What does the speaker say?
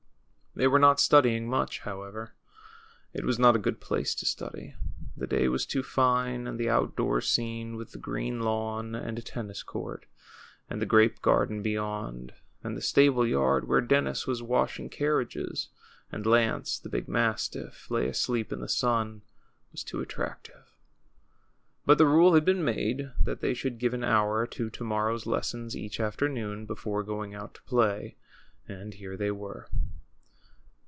They Avere not studying much, however. It was not a good place to study. The day Avas too fine ; and the outdoor scene with the green lawn and tennis court, and the grape garden beyond, and the stable yard where Dennis was washing carriages, and Lance, the big mastiff, lay asleep in the sun, was too attractive. But the rule had been made that they should give an hour to to morrow's lessons each afternoon, before going out to play. And here they were.